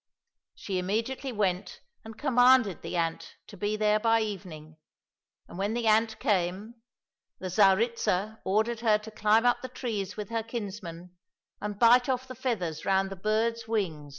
She immediately went and commanded the ant to be there by evening, and when the ant came, the Tsaritsa ordered her to climb up the trees with her kinsmen and bite off the feathers round the birds' wings.